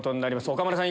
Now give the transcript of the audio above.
岡村さん